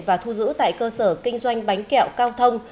và thu giữ tại cơ sở kinh doanh bánh kẹo cao thông